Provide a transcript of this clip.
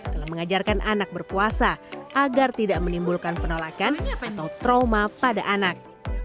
dalam mengajarkan anak berpuasa agar tidak menimbulkan penolakan atau trauma pada anak